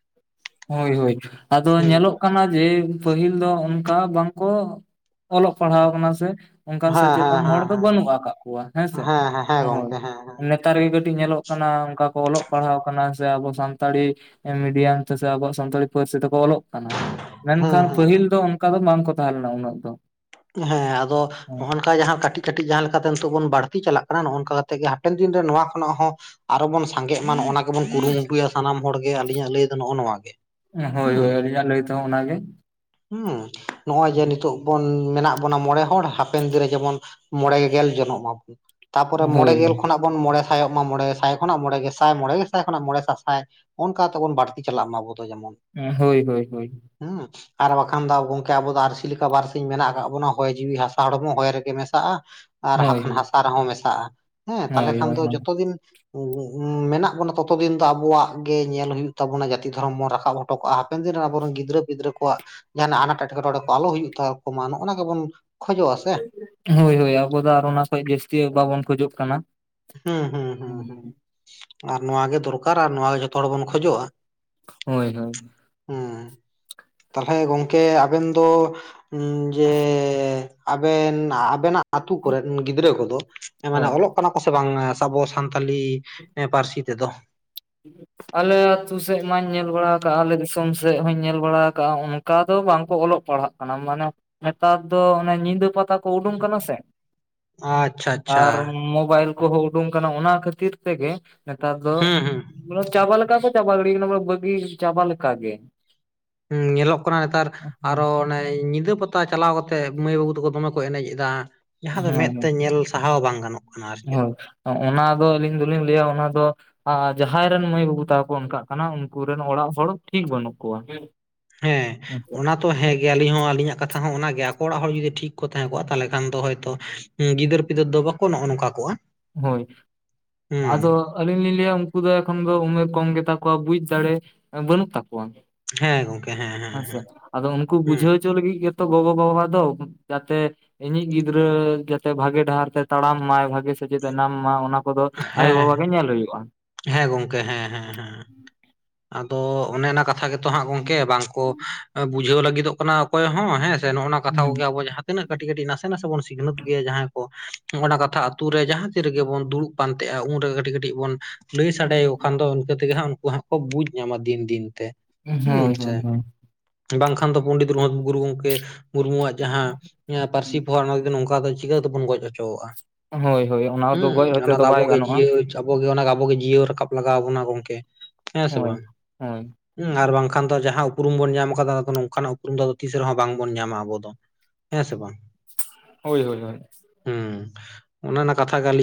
ᱦᱳᱭ ᱦᱳᱭ ᱟᱫᱚ ᱦᱮᱸ ᱧᱮᱞᱚᱜ ᱠᱟᱱᱟ ᱡᱮ ᱯᱟᱹᱦᱤᱞ ᱫᱚ ᱚᱱᱠᱟ ᱵᱟᱝ ᱠᱚ ᱚᱞᱚᱜ ᱯᱟᱲᱦᱟᱣ ᱠᱟᱱᱟ ᱥᱮ ᱚᱱᱠᱟᱱ ᱦᱮᱸ ᱦᱮᱸ ᱥᱮᱪᱮᱫ-ᱟᱱ ᱦᱮᱸ ᱦᱚᱲ ᱫᱚ ᱵᱟᱹᱱᱩᱜ ᱟᱠᱟᱫ ᱠᱚᱣᱟ ᱦᱮᱸᱥᱮ ᱦᱮᱸ ᱦᱮᱸ ᱦᱮᱸ ᱦᱮᱸ ᱦᱳᱭ᱾ ᱜᱚᱝᱠᱮ ᱦᱮᱸ ᱦᱮᱸ ᱱᱮᱛᱟᱨ ᱜᱮ ᱠᱟᱹᱴᱤᱡ ᱧᱮᱞᱚᱜ ᱠᱟᱱᱟ ᱚᱱᱠᱟ ᱠᱚ ᱚᱞᱚᱜ ᱯᱟᱲᱦᱟᱣ ᱠᱟᱱᱟ ᱥᱮ ᱟᱵᱚ ᱥᱟᱱᱛᱟᱲᱤ ᱢᱤᱰᱤᱭᱟᱢ ᱟᱵᱚᱣᱟᱜ ᱥᱟᱱᱛᱟᱲᱤ ᱯᱟᱹᱨᱥᱤ ᱛᱮᱠᱚ ᱚᱞᱚᱜ ᱠᱟᱱᱟ ᱦᱮᱸ ᱢᱮᱱᱠᱷᱟᱱ ᱦᱮᱸ ᱯᱟᱹᱦᱤᱞ ᱫᱚ ᱚᱱᱠᱟ ᱫᱚ ᱵᱟᱝ ᱠᱚ ᱛᱟᱦᱮᱸ ᱞᱮᱱᱟ ᱩᱱᱟᱹᱜ ᱫᱚ᱾ ᱦᱮᱸ ᱟᱫᱚ ᱚᱱᱠᱟ ᱡᱟᱦᱟᱸ ᱠᱟᱹᱴᱤᱡ ᱠᱟᱹᱴᱤᱡ ᱡᱟᱦᱟᱸ ᱞᱮᱠᱟ ᱛᱮ ᱱᱤᱛᱚᱜ ᱵᱚᱱ ᱵᱟᱹᱲᱛᱤ ᱪᱟᱞᱟᱜ ᱠᱟᱱᱟ ᱱᱚᱜ ᱱᱚᱝᱠᱟ ᱠᱟᱛᱮᱜ ᱜᱮ ᱦᱟᱯᱮᱱ ᱫᱤᱱ ᱨᱮ ᱱᱚᱣᱟ ᱠᱷᱚᱱᱟᱜ ᱦᱚᱸ ᱟᱨᱚ ᱵᱚᱱ ᱥᱟᱸᱜᱮᱜ ᱢᱟ ᱱᱚ ᱚᱱᱟ [unintelligible] ᱵᱚᱱ ᱠᱩᱨᱩᱢᱩᱴᱩᱭᱟ ᱥᱟᱱᱟᱢ ᱦᱚᱲ ᱜᱮ ᱟᱹᱞᱤᱧᱟᱜ ᱞᱟᱹᱭ ᱫᱚ ᱱᱚᱜᱼᱚ ᱱᱚᱣᱟ ᱜᱮ ᱦᱳᱭ ᱦᱮᱸ᱾ ᱦᱳᱭ ᱟᱹᱞᱤᱧᱟᱜ ᱞᱟᱹᱭ ᱛᱮᱦᱚᱸ ᱚᱱᱟᱜᱮ ᱦᱮᱸ ᱱᱚᱜᱼᱚᱭ ᱡᱮ ᱱᱤᱛᱚᱜ ᱵᱚᱱ ᱢᱮᱱᱟᱜ ᱵᱚᱱᱟ ᱢᱚᱬᱮ ᱦᱚᱲ ᱦᱟᱯᱮᱱ ᱫᱤᱱ ᱨᱮ ᱡᱮᱢᱚᱱ ᱢᱚᱬᱮ ᱜᱮᱞ ᱡᱚᱱᱚᱜ ᱢᱟᱵᱚᱱ ᱛᱟᱯᱚᱨᱮ ᱢᱚᱬᱮ ᱦᱳᱭ ᱜᱮᱞ ᱦᱳᱭ ᱠᱷᱚᱱᱟᱜ ᱵᱚᱱ ᱢᱚᱬᱮ ᱥᱟᱭᱚᱜ ᱢᱟ ᱢᱚᱬᱮ ᱥᱟᱭ ᱠᱷᱚᱱᱟᱜ ᱢᱚᱬᱮ ᱜᱮᱥᱟᱭ ᱢᱚᱬᱮ ᱜᱮᱥᱟᱭ ᱠᱷᱚᱱᱟᱜ ᱢᱚᱬᱮ ᱥᱟᱥᱟᱭ ᱚᱱᱠᱟ ᱛᱮᱵᱚᱱ ᱵᱟᱹᱲᱛᱤ ᱪᱟᱞᱟᱜ ᱢᱟ ᱟᱵᱚ ᱫᱚ ᱡᱮᱢᱚᱱ ᱦᱳᱭ ᱦᱳᱭ ᱦᱳᱭ ᱦᱮᱸ ᱟᱨ ᱵᱟᱠᱷᱟᱱ ᱫᱚ ᱜᱚᱝᱠᱮ ᱟᱵᱚ ᱫᱚ ᱟᱨᱹᱥᱤ ᱞᱮᱠᱟ ᱵᱟᱨᱥᱤᱧ ᱢᱮᱱᱟᱜ ᱟᱠᱟᱫᱟ᱾ ᱠᱟᱜ ᱵᱚᱱᱟ ᱦᱚᱭ ᱡᱤᱣᱤ ᱦᱟᱥᱟ ᱦᱚᱲᱢᱚ ᱦᱚᱭ ᱨᱮ ᱜᱮ ᱢᱮᱥᱟᱜᱼᱟ ᱟᱨ ᱦᱳᱭ ᱦᱟᱠᱷᱟᱱ ᱦᱟᱥᱟ ᱨᱮᱦᱚᱸ ᱢᱮᱥᱟᱜᱼᱟ᱾ ᱦᱮᱸ ᱛᱟᱦᱚᱞᱮ ᱦᱳᱭ ᱠᱷᱟᱱ ᱦᱳᱭ ᱫᱚ ᱡᱚᱛᱚ ᱫᱤᱱ ᱢᱮᱱᱟᱜ ᱵᱚᱱᱟ ᱛᱚᱛᱚ ᱫᱤᱱ ᱫᱚ ᱟᱵᱚᱣᱟᱜ ᱜᱮ ᱧᱮᱞ ᱦᱩᱭᱩᱜ ᱛᱟᱵᱚᱱᱟ ᱡᱟᱹᱛᱤ ᱫᱷᱚᱨᱚᱢ ᱵᱚᱱ ᱨᱟᱠᱟᱵ ᱦᱚᱴᱚ ᱠᱟᱜᱼᱟ᱾ ᱦᱟᱯᱮᱱ ᱫᱤᱱ ᱨᱮ ᱟᱵᱚᱨᱮᱱ ᱜᱤᱫᱽᱨᱟᱹ ᱯᱤᱫᱽᱨᱟᱹ ᱠᱚᱣᱟᱜ ᱡᱟᱦᱟᱱᱟᱜ ᱟᱱᱟᱴ ᱮᱴᱠᱮᱴᱚᱲᱮ ᱠᱚ ᱟᱞᱚ ᱦᱩᱭᱩᱜ ᱛᱟᱠᱚ ᱢᱟᱱᱼᱟ᱾ ᱚᱱᱟ ᱜᱮᱵᱚᱱ ᱠᱷᱚᱡᱚᱜᱼᱟ ᱥᱮ ᱦᱳᱭ ᱦᱳᱭ ᱟᱵᱚ ᱫᱚ ᱟᱨ ᱚᱱᱟ ᱠᱷᱚᱡ ᱡᱟᱹᱥᱛᱤ ᱵᱟᱵᱚᱱ ᱠᱷᱚᱡᱚᱜ ᱠᱟᱱᱟ᱾ ᱦᱩᱸ ᱦᱩᱸ ᱦᱩᱸ ᱦᱩᱸ ᱟᱨ ᱱᱚᱣᱟ ᱜᱮ ᱫᱚᱨᱠᱟᱨ ᱟᱨ ᱱᱚᱣᱟ ᱜᱮ ᱡᱷᱚᱛᱚ ᱦᱚᱲ ᱵᱚᱱ ᱠᱷᱚᱡᱚᱜᱼᱟ᱾ ᱦᱳᱭ ᱦᱳᱭ ᱦᱮᱸ ᱛᱟᱦᱞᱮ ᱜᱚᱝᱠᱮ ᱟᱵᱮᱱ ᱫᱚ ᱡᱮ ᱟᱵᱮᱱ ᱟᱵᱮᱱᱟᱜ ᱟᱛᱳ ᱠᱚᱨᱮᱱ ᱜᱤᱫᱽᱨᱟᱹ ᱠᱚ ᱫᱚ ᱢᱟᱱᱮ ᱦᱳᱭ ᱚᱞᱚᱜ ᱠᱟᱱᱟ ᱠᱚᱥ ᱵᱟᱝ ᱟᱵᱚ ᱥᱟᱱ ᱥᱟᱱᱛᱟᱞᱤ ᱯᱟᱹᱨᱥᱤ ᱛᱮ ᱫᱚ ᱾ [unintelligible] ᱟᱞᱮ ᱟᱛᱳ ᱥᱮᱫ ᱢᱟᱧ ᱧᱮᱞ ᱵᱟᱲᱟ ᱟᱠᱟᱫᱟᱼᱟ ᱟᱞᱮ ᱫᱤᱥᱚᱢ ᱥᱮᱫ ᱦᱚᱸᱧ ᱧᱮᱞ ᱵᱟᱲᱟ ᱟᱠᱟᱟᱜᱼᱟ ᱚᱱᱠᱟ ᱫᱚ ᱵᱟᱝ ᱠᱚ ᱚᱞᱚᱜ ᱯᱟᱲᱦᱟᱜ ᱚᱱᱟ ᱢᱟᱱᱮ ᱱᱮᱛᱟᱨ ᱫᱚ ᱚᱱᱮ ᱧᱤᱫᱟᱹ ᱯᱟᱛᱟ ᱠᱚ ᱩᱰᱩᱝ ᱠᱟᱱᱟ ᱥᱮ ᱟᱪᱪᱷᱟ ᱟᱪᱪᱷᱟ ᱟᱨ ᱢᱚᱵᱭᱤᱞ ᱠᱚ ᱦᱚᱸ ᱩᱰᱩᱝ ᱠᱟᱱᱟ ᱚᱱᱟ ᱠᱷᱟᱹᱛᱤᱨ ᱛᱮ ᱜᱮ ᱱᱮᱛᱟᱨ ᱫᱚ ᱦᱩᱸ ᱦᱩᱸ ᱪᱟᱵᱟ ᱞᱮᱠᱟ ᱠᱚ ᱪᱟᱵᱟ ᱜᱤᱲᱤ ᱠᱟᱱᱟ ᱵᱟᱹᱜᱤ ᱪᱟᱵᱟ ᱞᱮᱠᱟᱜ ᱜᱮ᱾ ᱧᱮᱞᱚᱜ ᱠᱟᱱᱟ ᱱᱮᱛᱟᱨ ᱟᱨᱚ ᱧᱤᱫᱟᱹ ᱯᱟᱛᱟ ᱪᱟᱞᱟᱣ ᱠᱟᱛᱮᱜ ᱢᱟᱹᱭ ᱵᱟᱹᱵᱩ ᱛᱟᱠᱚ ᱫᱚᱢᱮ ᱠᱚ ᱮᱱᱮᱡ ᱮᱫᱟ ᱡᱟᱦᱟᱸ ᱫᱚ ᱢᱮᱫ ᱦᱮᱸ ᱛᱮ ᱧᱮᱞ ᱥᱟᱦᱟᱣ ᱦᱚᱸ ᱵᱟᱝ ᱜᱟᱱᱚᱜᱼᱟ᱾ ᱦᱳᱭ ᱚᱱᱟ ᱫᱚ ᱟᱹᱞᱤᱧ ᱫᱚᱞᱤᱧ ᱞᱟᱹᱭᱟ ᱚᱱᱟ ᱫᱚ ᱟᱨ ᱡᱟᱦᱟᱸᱭ ᱨᱮᱱ ᱢᱟᱹᱭ ᱵᱟᱹᱵᱩ ᱛᱟᱠᱚ ᱚᱱᱠᱟᱜ ᱠᱟᱱᱟ ᱩᱱᱠᱩᱨᱮᱱ ᱚᱲᱟᱜ ᱦᱚᱲ ᱴᱷᱤᱠ ᱵᱟᱹᱱᱩᱜ ᱠᱚᱣᱟ᱾ ᱦᱮᱸ ᱚᱱᱟ ᱛᱚ ᱦᱮᱸ ᱜᱮ ᱟᱞᱤᱧ ᱦᱚᱸ ᱟᱹᱞᱤᱧᱟᱜ ᱠᱟᱛᱷᱟ ᱦᱚᱸ ᱚᱱᱟ ᱜᱮ ᱟᱠᱚ ᱚᱲᱟᱜ ᱦᱚᱲ ᱡᱩᱫᱤ ᱴᱷᱤᱠ ᱠᱚ ᱛᱟᱦᱮᱸ ᱠᱚᱜ ᱛᱟᱦᱚᱞᱮ ᱠᱷᱟᱱ ᱫᱚ ᱦᱳᱭᱛᱳ ᱸ ᱜᱤᱫᱟᱹᱨ ᱯᱤᱫᱟᱹᱨ ᱫᱚ ᱵᱟᱠᱚ ᱱᱚᱜᱼᱚ ᱱᱚᱝᱠᱟ ᱠᱚᱜᱼᱟ᱾ ᱦᱳᱭ ᱦᱩᱸ ᱟᱫᱚ ᱟᱹᱞᱤᱧ ᱞᱤᱧ ᱞᱟᱹᱭᱟ ᱩᱱᱠᱩ ᱫᱚ ᱮᱠᱷᱚᱱ ᱫᱚ ᱩᱢᱮᱨ ᱠᱚᱢ ᱜᱮᱛᱟ ᱠᱚᱣᱟ ᱵᱩᱡ ᱫᱟᱲᱮ ᱵᱟᱹᱱᱩᱜ ᱛᱟᱠᱚᱣᱟ᱾ ᱦᱮᱸ ᱜᱚᱝᱠᱮ ᱦᱮᱸ ᱦᱮᱸ ᱦᱮᱸᱥᱮ ᱟᱫᱚ ᱩᱱᱠᱩ ᱦᱩᱸ ᱵᱩᱡᱷᱟᱹᱣ ᱞᱟᱹᱜᱤᱫ ᱜᱮ ᱛᱚ ᱜᱚᱜᱚ ᱵᱟᱵᱟ ᱫᱚ ᱡᱟᱛᱮ ᱤᱧᱤᱡ ᱜᱤᱫᱽᱨᱟᱹ ᱡᱟᱛᱮ ᱵᱷᱟᱜᱮ ᱰᱟᱦᱟᱨ ᱛᱮ ᱛᱟᱲᱟᱢ ᱢᱟᱭ ᱵᱷᱟᱜᱮ ᱥᱮᱪᱮᱫ ᱮ ᱧᱟᱢ ᱢᱟ ᱚᱱᱟ ᱠᱚ ᱫᱚ ᱟᱭᱳ ᱵᱟᱵᱟ ᱦᱮᱸ ᱜᱮ ᱧᱮᱞ ᱦᱳᱭᱳᱜᱼᱟ᱾ ᱦᱮᱸ ᱜᱚᱝᱠᱮ ᱦᱮᱸ ᱦᱮᱸ ᱦᱮᱸ ᱟᱫᱚ ᱚᱱᱮ ᱚᱱᱟ ᱠᱟᱛᱷᱟ ᱜᱮ ᱛᱚ ᱦᱟᱸᱜ ᱜᱚᱝᱠᱮ ᱵᱟᱝ ᱠᱚ ᱵᱩᱡᱷᱟᱹᱣ ᱞᱟᱹᱜᱤᱫᱚᱜ ᱠᱟᱱᱟ ᱚᱠᱚᱭ ᱦᱚᱸ ᱦᱮᱸ ᱥᱮ ᱱᱚᱜᱼᱚ ᱱᱟ ᱠᱟᱛᱷᱟ ᱠᱚ ᱦᱩᱸ ᱜᱮ ᱟᱵᱚ ᱡᱟᱦᱟᱸ ᱛᱤᱱᱟᱹᱜ ᱠᱟᱹᱴᱤᱡ ᱠᱟᱹᱴᱤᱡ ᱱᱟᱥᱮ ᱱᱟᱥᱮ ᱵᱚᱱ ᱥᱤᱠᱷᱱᱟᱹᱛ ᱜᱮᱭᱟ ᱡᱟᱦᱟᱸᱭ ᱠᱚ ᱚᱱᱟ ᱠᱟᱛᱷᱟ ᱟᱛᱩ ᱨᱮ ᱡᱟᱦᱟᱸ ᱛᱤᱱ ᱨᱮᱜᱮ ᱵᱚᱱ ᱫᱩᱲᱩᱵ ᱯᱟᱱ ᱛᱟᱦᱮᱸᱼᱟ ᱩᱱᱨᱮᱜᱮ ᱠᱟᱹᱴᱤᱡ ᱠᱟᱹᱴᱤᱡ ᱵᱚᱱ ᱞᱟᱹᱭ ᱥᱟᱰᱮ ᱟᱠᱚ ᱠᱷᱟᱱ ᱫᱚ ᱤᱱᱠᱟᱹ ᱛᱮ ᱜᱮ ᱦᱟᱸᱜ ᱩᱱᱠᱩ ᱦᱟᱸᱜ ᱠᱚ ᱵᱩᱡᱽ ᱧᱟᱢᱟ ᱫᱤᱱ ᱫᱤᱱ ᱛᱮ᱾ ᱦᱩᱸ ᱦᱳᱭ ᱦᱳᱭ ᱪᱮᱫ ᱵᱟᱝ ᱠᱷᱟᱱ ᱫᱚ ᱯᱚᱱᱰᱤᱛ ᱨᱚᱜᱷᱩᱛ ᱜᱩᱨᱩ ᱜᱚᱝᱠᱮ ᱢᱩᱨᱢᱩ ᱣᱟᱜ ᱡᱟᱦᱟᱸ ᱯᱟᱹᱨᱥᱤ ᱯᱚᱦᱟ ᱚᱱᱟ ᱱᱚᱝᱠᱟ ᱪᱤᱠᱟᱹ ᱛᱮ ᱵᱚᱱ ᱜᱚᱡ ᱦᱚᱪᱚᱣᱟᱜᱼᱟ᱾ ᱦᱳᱭ ᱦᱳᱭ ᱦᱳᱭ ᱚᱱᱟ ᱫᱚ ᱜᱚᱡ ᱦᱩᱸ ᱦᱚᱪᱚ ᱚᱱᱟ ᱫᱚ ᱟᱵᱚ ᱵᱟᱭ ᱜᱮ ᱜᱟᱱᱚᱜᱼᱟ ᱡᱤᱭᱟ ᱟᱵᱚ ᱜᱮ ᱚᱱᱟ ᱟᱵᱚ ᱜᱮ ᱡᱤᱭᱟᱹᱲ ᱨᱟᱠᱟᱵ ᱞᱟᱜᱟᱣ ᱵᱚᱱᱟ ᱜᱚᱝᱠᱮ ᱦᱮᱸ ᱥᱮ ᱦᱳᱭ ᱵᱟᱝ? ᱦᱳᱭ ᱦᱩᱸ ᱟᱨ ᱵᱟᱝ ᱠᱷᱟᱱ ᱫᱚ ᱡᱟᱦᱟᱸ ᱩᱯᱨᱩᱢ ᱵᱚᱱ ᱧᱟᱢ ᱠᱟᱫᱟ ᱱᱚᱝᱠᱟᱱ ᱟᱜ ᱩᱯᱨᱩᱢ ᱫᱚ ᱛᱤᱥ ᱨᱮ ᱦᱚᱸ ᱵᱟᱝ ᱵᱚᱱ ᱧᱟᱢᱟ ᱟᱵᱚ ᱫᱚ᱾ ᱦᱮᱸ ᱥᱮ ᱵᱟᱝ? ᱦᱳᱭ ᱦᱳᱭᱳᱭ᱾ ᱦᱩᱸ ᱚᱱᱟ ᱢᱟ ᱠᱟᱛᱷᱟ ᱜᱮ ᱟᱹᱞᱤᱧ